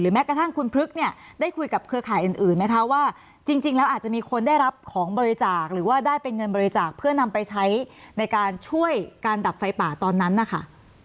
แม้กระทั่งคุณพลึกเนี่ยได้คุยกับเครือข่ายอื่นไหมคะว่าจริงแล้วอาจจะมีคนได้รับของบริจาคหรือว่าได้เป็นเงินบริจาคเพื่อนำไปใช้ในการช่วยการดับไฟป่าตอนนั้นนะคะ